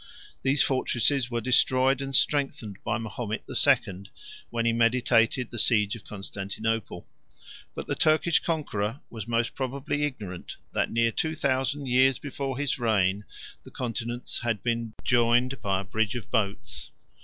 These fortresses were destroyed and strengthened by Mahomet the Second, when he meditated the siege of Constantinople: 8 but the Turkish conqueror was most probably ignorant, that near two thousand years before his reign, Darius had chosen the same situation to connect the two continents by a bridge of boats.